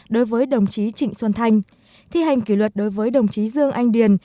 đối với đồng chí trịnh xuân thanh thi hành kỷ luật đối với đồng chí dương anh điền